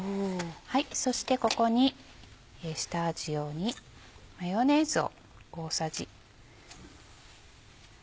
そしてここに下味用にマヨネーズを。